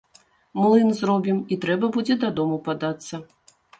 Млын зробім, і трэба будзе дадому падацца.